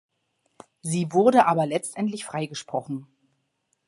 Sie wurde aber letztendlich freigesprochen.